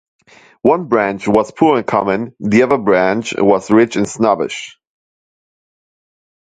One branch was poor and common, the other branch was rich and snobbish.